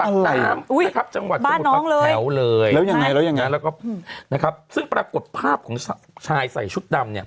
บ้านน้องเลยแล้วยังไงนะครับซึ่งปรากฏภาพของชายใส่ชุดดำเนี่ย